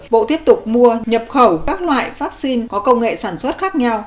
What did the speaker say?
bộ tiếp tục mua nhập khẩu các loại vaccine có công nghệ sản xuất khác nhau